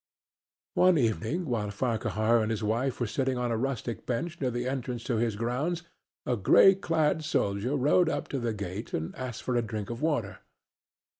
One evening while Farquhar and his wife were sitting on a rustic bench near the entrance to his grounds, a gray clad soldier rode up to the gate and asked for a drink of water.